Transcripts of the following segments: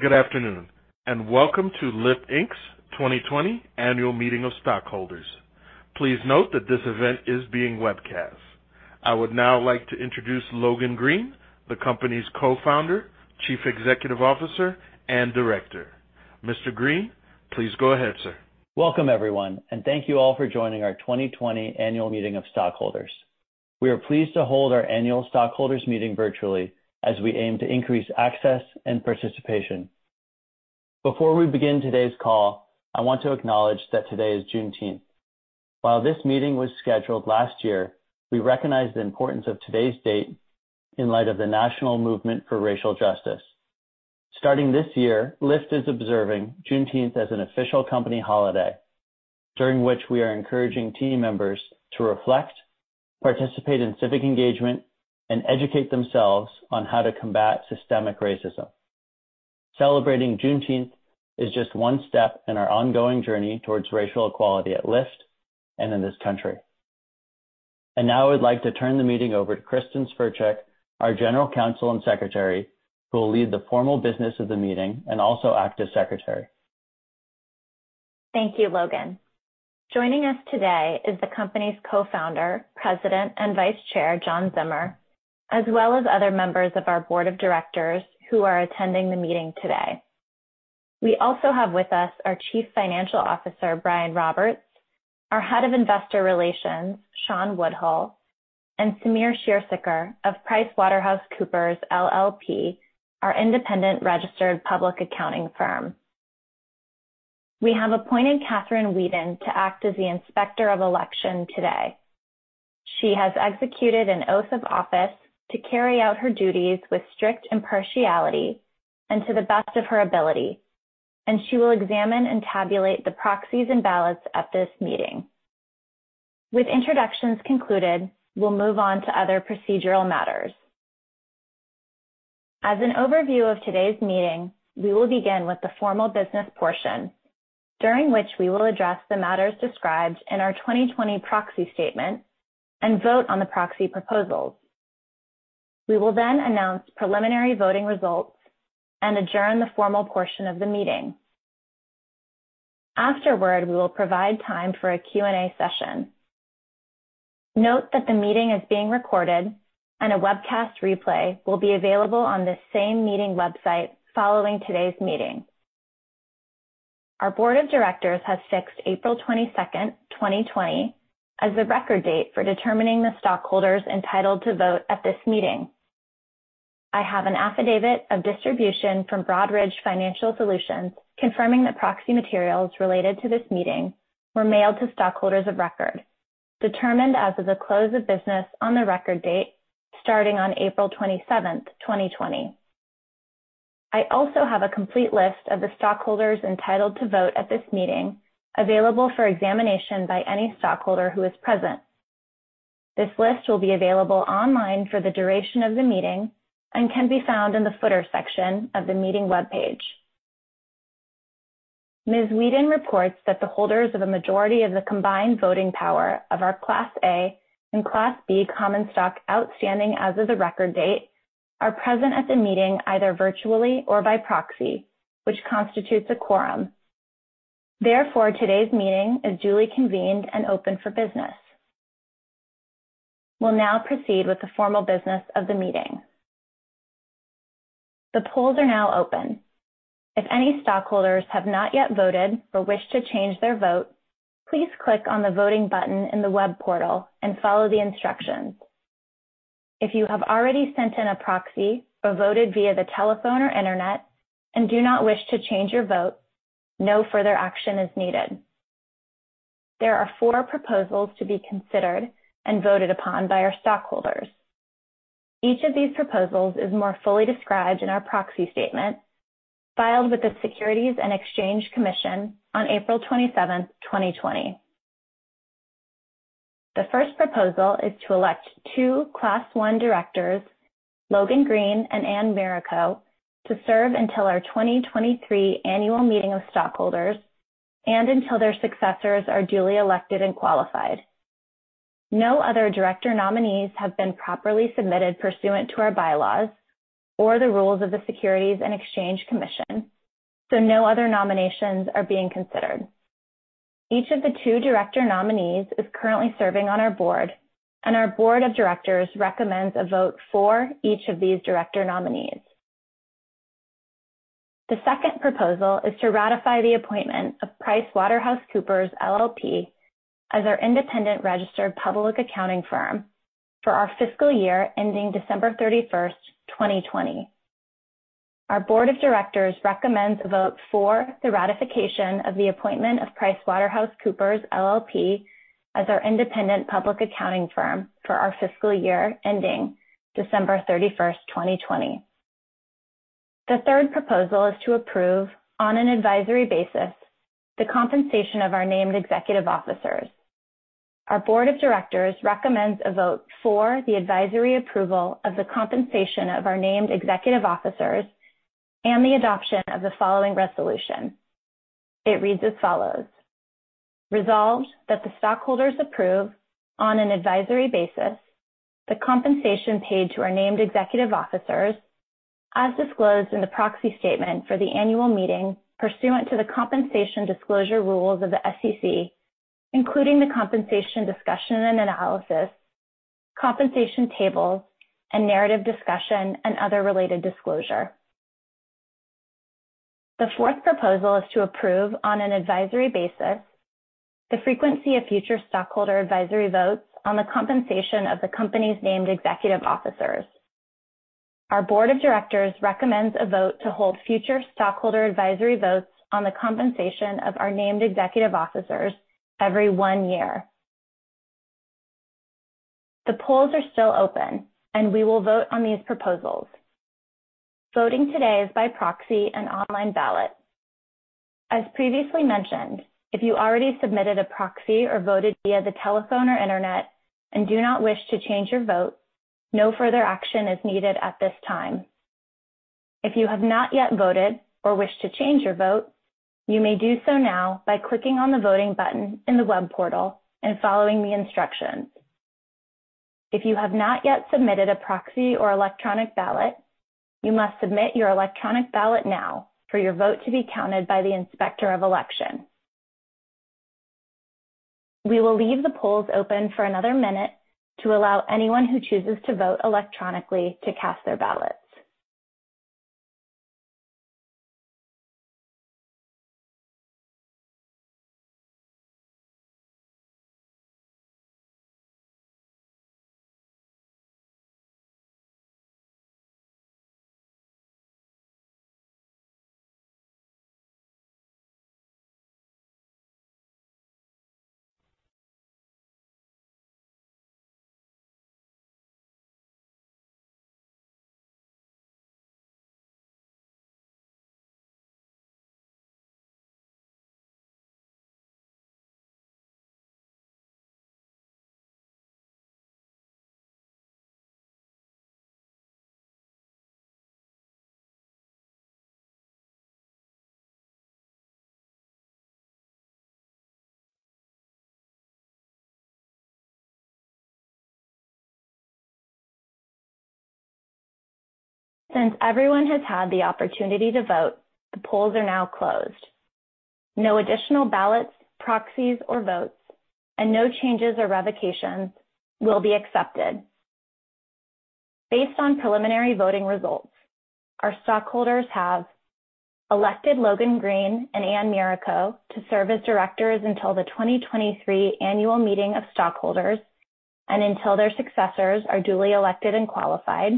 Good afternoon, and welcome to Lyft, Inc.'s 2020 Annual Meeting of Stockholders. Please note that this event is being webcast. I would now like to introduce Logan Green, the company's Co-founder, Chief Executive Officer, and Director. Mr. Green, please go ahead, sir. Welcome, everyone, and thank you all for joining our 2020 Annual Meeting of Stockholders. Before we begin today's call, I want to acknowledge that today is Juneteenth. While this meeting was scheduled last year, we recognize the importance of today's date in light of the national movement for racial justice. Starting this year, Lyft is observing Juneteenth as an official company holiday, during which we are encouraging team members to reflect, participate in civic engagement, and educate themselves on how to combat systemic racism. Celebrating Juneteenth is just one step in our ongoing journey towards racial equality at Lyft and in this country. Now I would like to turn the meeting over to Kristin Sverchek, our General Counsel and Secretary, who will lead the formal business of the meeting and also act as secretary. Thank you, Logan. Joining us today is the company's Co-founder, President, and Vice Chair, John Zimmer, as well as other members of our Board of Directors who are attending the meeting today. We also have with us our Chief Financial Officer, Brian Roberts, our Head of Investor Relations, Shawn Woodhull, and Samir Shirsat of PricewaterhouseCoopers LLP, our independent registered public accounting firm. We have appointed Kathy Wheadon to act as the Inspector of Election today. She has executed an oath of office to carry out her duties with strict impartiality and to the best of her ability, and she will examine and tabulate the proxies and ballots at this meeting. With introductions concluded, we'll move on to other procedural matters. As an overview of today's meeting, we will begin with the formal business portion, during which we will address the matters described in our 2020 proxy statement and vote on the proxy proposals. We will then announce preliminary voting results and adjourn the formal portion of the meeting. Afterward, we will provide time for a Q&A session. Note that the meeting is being recorded, and a webcast replay will be available on this same meeting website following today's meeting. Our board of directors has fixed April 22nd, 2020, as the record date for determining the stockholders entitled to vote at this meeting. I have an affidavit of distribution from Broadridge Financial Solutions confirming that proxy materials related to this meeting were mailed to stockholders of record, determined as of the close of business on the record date starting on April 27th, 2020. I also have a complete list of the stockholders entitled to vote at this meeting available for examination by any stockholder who is present. This list will be available online for the duration of the meeting and can be found in the footer section of the meeting webpage. Ms. Wheadon reports that the holders of a majority of the combined voting power of our Class A and Class B common stock outstanding as of the record date are present at the meeting, either virtually or by proxy, which constitutes a quorum. Therefore, today's meeting is duly convened and open for business. We'll now proceed with the formal business of the meeting. The polls are now open. If any stockholders have not yet voted or wish to change their vote, please click on the voting button in the web portal and follow the instructions. If you have already sent in a proxy or voted via the telephone or internet and do not wish to change your vote, no further action is needed. There are four proposals to be considered and voted upon by our stockholders. Each of these proposals is more fully described in our proxy statement filed with the Securities and Exchange Commission on April 27th, 2020. The first proposal is to elect two Class I directors, Logan Green and Ann Miura-Ko, to serve until our 2023 annual meeting of stockholders and until their successors are duly elected and qualified. No other director nominees have been properly submitted pursuant to our bylaws or the rules of the Securities and Exchange Commission, so no other nominations are being considered. Each of the two director nominees is currently serving on our board, and our board of directors recommends a vote for each of these director nominees. The second proposal is to ratify the appointment of PricewaterhouseCoopers LLP as our independent registered public accounting firm for our fiscal year ending December 31st, 2020. Our board of directors recommends a vote for the ratification of the appointment of PricewaterhouseCoopers LLP as our independent public accounting firm for our fiscal year ending December 31st, 2020. The third proposal is to approve, on an advisory basis, the compensation of our named executive officers. Our board of directors recommends a vote for the advisory approval of the compensation of our named executive officers and the adoption of the following resolution. It reads as follows Resolved that the stockholders approve, on an advisory basis, the compensation paid to our named executive officers as disclosed in the proxy statement for the annual meeting pursuant to the compensation disclosure rules of the SEC, including the compensation discussion and analysis, compensation tables, and narrative discussion and other related disclosure. The fourth proposal is to approve, on an advisory basis, the frequency of future stockholder advisory votes on the compensation of the company's named executive officers. Our board of directors recommends a vote to hold future stockholder advisory votes on the compensation of our named executive officers every one year. The polls are still open. We will vote on these proposals. Voting today is by proxy and online ballot. As previously mentioned, if you already submitted a proxy or voted via the telephone or internet and do not wish to change your vote, no further action is needed at this time. If you have not yet voted or wish to change your vote, you may do so now by clicking on the Voting button in the web portal and following the instructions. If you have not yet submitted a proxy or electronic ballot, you must submit your electronic ballot now for your vote to be counted by the Inspector of Election. We will leave the polls open for another minute to allow anyone who chooses to vote electronically to cast their ballots. Since everyone has had the opportunity to vote, the polls are now closed. No additional ballots, proxies, or votes, and no changes or revocations will be accepted. Based on preliminary voting results, our stockholders have elected Logan Green and Ann Miura-Ko to serve as directors until the 2023 annual meeting of stockholders and until their successors are duly elected and qualified,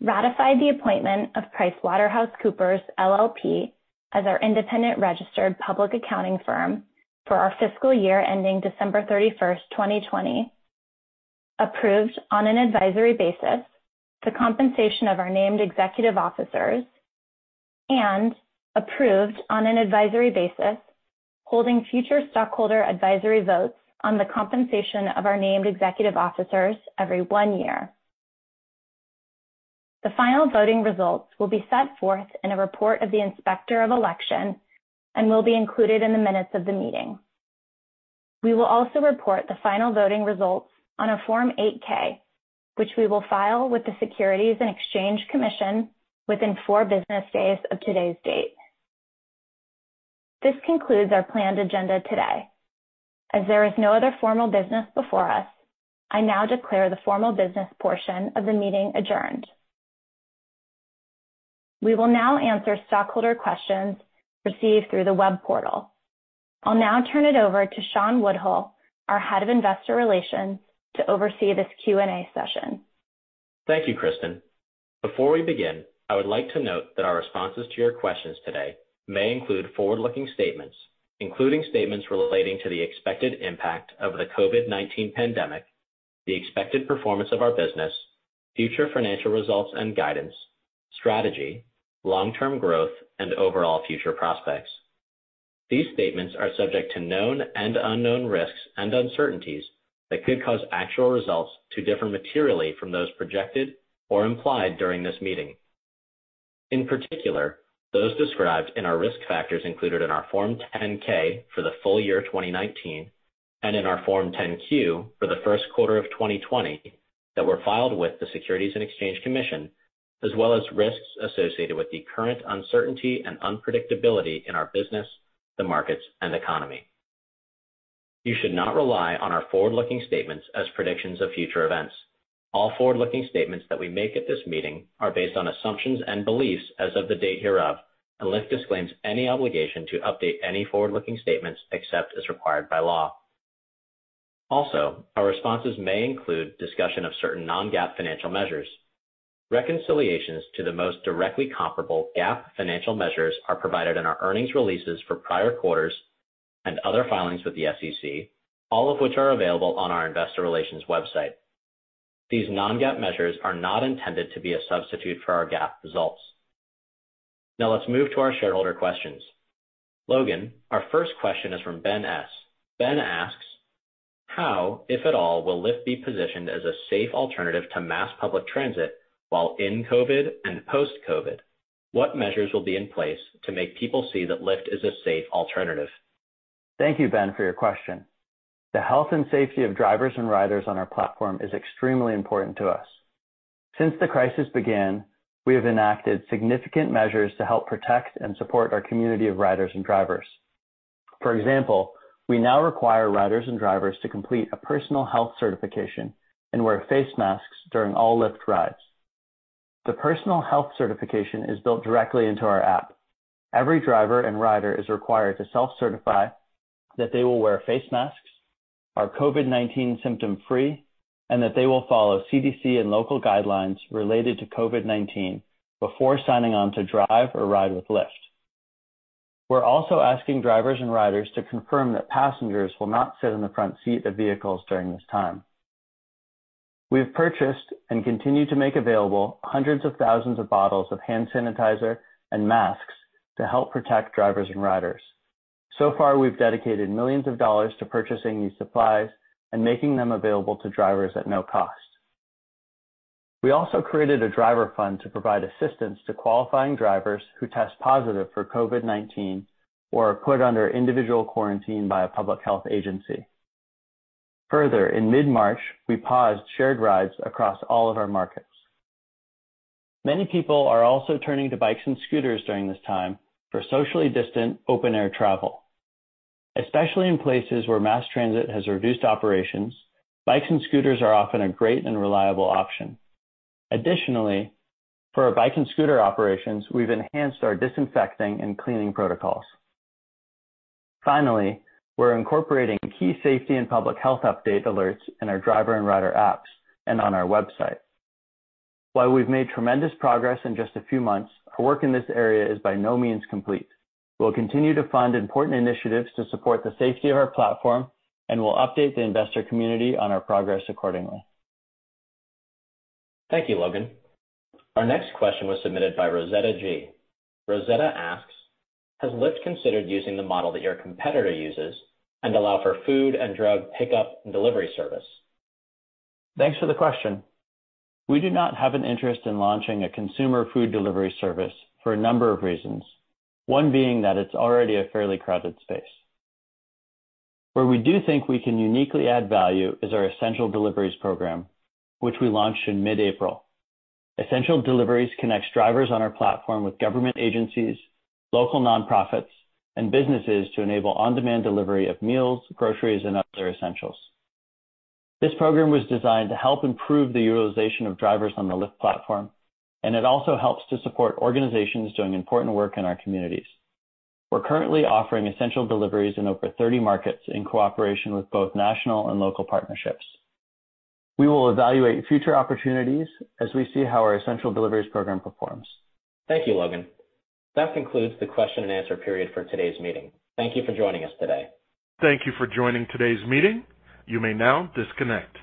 ratified the appointment of PricewaterhouseCoopers LLP as our independent registered public accounting firm for our fiscal year ending December thirty-first, 2020, approved, on an advisory basis, the compensation of our named executive officers, and approved, on an advisory basis, holding future stockholder advisory votes on the compensation of our named executive officers every one year. The final voting results will be set forth in a report of the Inspector of Election and will be included in the minutes of the meeting. We will also report the final voting results on a Form 8-K, which we will file with the Securities and Exchange Commission within four business days of today's date. This concludes our planned agenda today. As there is no other formal business before us, I now declare the formal business portion of the meeting adjourned. We will now answer stockholder questions received through the web portal. I'll now turn it over to Shawn Woodhull, our Head of Investor Relations, to oversee this Q&A session. Thank you, Kristin. Before we begin, I would like to note that our responses to your questions today may include forward-looking statements, including statements relating to the expected impact of the COVID-19 pandemic, the expected performance of our business, future financial results and guidance, strategy, long-term growth, and overall future prospects. These statements are subject to known and unknown risks and uncertainties that could cause actual results to differ materially from those projected or implied during this meeting. In particular, those described in our risk factors included in our Form 10-K for the full year 2019 and in our Form 10-Q for the first quarter of 2020 that were filed with the Securities and Exchange Commission, as well as risks associated with the current uncertainty and unpredictability in our business, the markets, and economy. You should not rely on our forward-looking statements as predictions of future events. All forward-looking statements that we make at this meeting are based on assumptions and beliefs as of the date hereof. Lyft disclaims any obligation to update any forward-looking statements except as required by law. Also, our responses may include discussion of certain non-GAAP financial measures. Reconciliations to the most directly comparable GAAP financial measures are provided in our earnings releases for prior quarters and other filings with the SEC, all of which are available on our investor relations website. These non-GAAP measures are not intended to be a substitute for our GAAP results. Now let's move to our shareholder questions. Logan, our first question is from Ben S. Ben asks How, if at all, will Lyft be positioned as a safe alternative to mass public transit while in COVID and post-COVID? What measures will be in place to make people see that Lyft is a safe alternative? Thank you, Ben, for your question. The health and safety of drivers and riders on our platform is extremely important to us. Since the crisis began, we have enacted significant measures to help protect and support our community of riders and drivers. For example, we now require riders and drivers to complete a personal health certification and wear face masks during all Lyft rides. The personal health certification is built directly into our app. Every driver and rider is required to self-certify that they will wear face masks, are COVID-19 symptom-free, and that they will follow CDC and local guidelines related to COVID-19 before signing on to drive or ride with Lyft. We're also asking drivers and riders to confirm that passengers will not sit in the front seat of vehicles during this time. We have purchased and continue to make available hundreds of thousands of bottles of hand sanitizer and masks to help protect drivers and riders. So far, we've dedicated millions of dollars to purchasing these supplies and making them available to drivers at no cost. We also created a driver fund to provide assistance to qualifying drivers who test positive for COVID-19 or are put under individual quarantine by a public health agency. Further, in mid-March, we paused shared rides across all of our markets. Many people are also turning to bikes and scooters during this time for socially distant open-air travel. Especially in places where mass transit has reduced operations, bikes and scooters are often a great and reliable option. Additionally, for our bike and scooter operations, we've enhanced our disinfecting and cleaning protocols. Finally, we're incorporating key safety and public health update alerts in our driver and rider apps and on our website. While we've made tremendous progress in just a few months, our work in this area is by no means complete. We'll continue to fund important initiatives to support the safety of our platform, and we'll update the investor community on our progress accordingly. Thank you, Logan. Our next question was submitted by Rosetta G. Rosetta asks, "Has Lyft considered using the model that your competitor uses and allow for food and drug pickup and delivery service? Thanks for the question. We do not have an interest in launching a consumer food delivery service for a number of reasons, one being that it's already a fairly crowded space. Where we do think we can uniquely add value is our Essential Deliveries program, which we launched in mid-April. Essential Deliveries connects drivers on our platform with government agencies, local nonprofits, and businesses to enable on-demand delivery of meals, groceries, and other essentials. This program was designed to help improve the utilization of drivers on the Lyft platform, and it also helps to support organizations doing important work in our communities. We're currently offering Essential Deliveries in over 30 markets in cooperation with both national and local partnerships. We will evaluate future opportunities as we see how our Essential Deliveries program performs. Thank you, Logan. That concludes the question and answer period for today's meeting. Thank you for joining us today. Thank you for joining today's meeting. You may now disconnect.